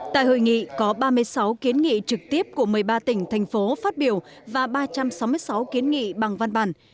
tại hội nghị có ba mươi sáu kiến nghị trực tiếp của một mươi ba tỉnh thành phố phát biểu và ba trăm sáu mươi sáu kiến nghị bằng văn bản